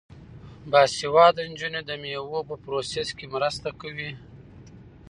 باسواده نجونې د میوو په پروسس کې مرسته کوي.